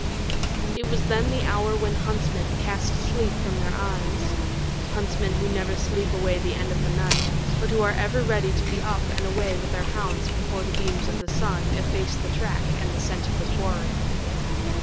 It was then the hour when huntsmen cast sleep from their eyes huntsmen who never sleep away the end of the night, but who are ever ready to be up and away with their hounds before the beams of the sun efface the track and the scent of the quarry.